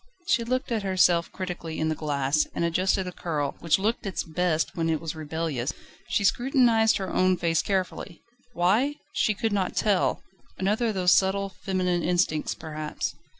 She looked at herself critically in the glass, and adjusted a curl, which looked its best when it was rebellious. She scrutinised her own face carefully; why? she could not tell: another of those subtle feminine instincts perhaps.